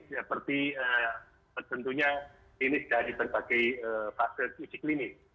seperti tentunya ini dari berbagai vaksin uji klinis